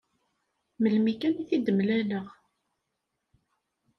Melmi kan i t-id-mlaleɣ.